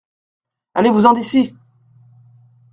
Allez-vous-en d’ici.